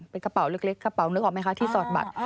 เป็นกระเป๋าเล็กกระเป๋านึกออกไหมคะที่สอดบัตร